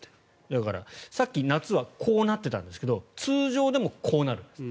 だから、さっき夏はこうなってたんですけど通常でもこうなるんです。